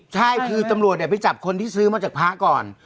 ใช่คือตำรวจไปจับคนที่ซื้อมาจากพระก่อน